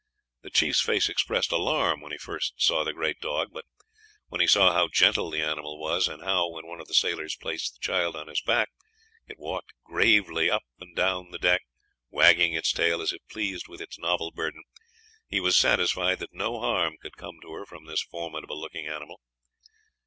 The chief's face expressed alarm when he first saw the great dog; but when he saw how gentle the animal was, and how, when one of the sailors placed the child on his back, it walked gravely up and down the deck, wagging its tail as if pleased with its novel burden, he was satisfied that no harm could come to her from this formidable looking animal.